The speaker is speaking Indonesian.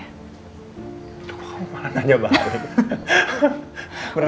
aduh kamu malah nanya banget